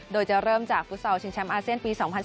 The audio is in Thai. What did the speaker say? โดยจะเริ่มจากฟุตซอลชิงแชมป์อาเซียนปี๒๐๑๘